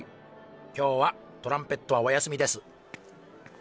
今日はトランペットはお休みです。